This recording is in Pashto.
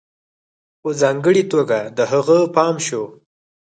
په ځانگړي توگه د هغه پام شو